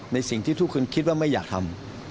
ในสิ่งที่ทุกคนคิดว่าไม่อยากทำ